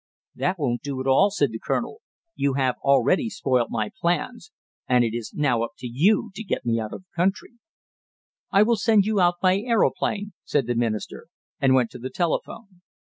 "That won't do at all," said the colonel, "you have already spoilt my plans, and it is now up to you to get me out of the country." "I will send you out by aeroplane," said the Minister, and went to the telephone.